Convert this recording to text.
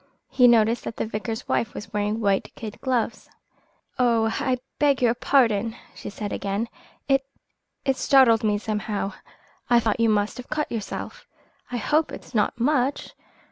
He noticed that the vicar's wife was wearing white kid gloves. "Oh, I beg your pardon!" she said again. "It it startled me somehow. I thought you must have cut yourself. I hope it's not much?"